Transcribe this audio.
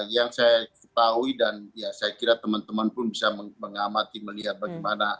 yang saya ketahui dan ya saya kira teman teman pun bisa mengamati melihat bagaimana